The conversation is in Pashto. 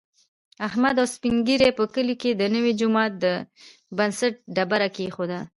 احمد او سپین ږېرو په کلي کې د نوي جوما د بنسټ ډبره کېښودله.